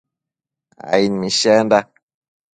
aid mishenda